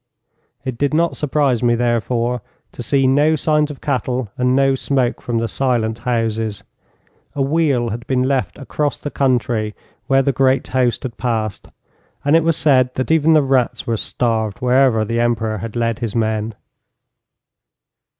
It did not surprise me, therefore, to see no signs of cattle and no smoke from the silent houses. A weal had been left across the country where the great host had passed, and it was said that even the rats were starved wherever the Emperor had led his men.